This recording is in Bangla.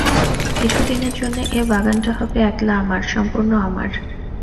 কিছুদিনের জন্যে এ বাগানটা হবে একলা আমার, সম্পূর্ণ আমার।